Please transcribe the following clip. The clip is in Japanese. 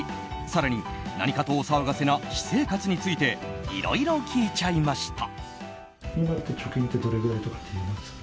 更に、何かとお騒がせな私生活についていろいろ聞いちゃいました。